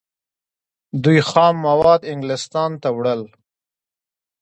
دوی خام مواد انګلستان ته وړل.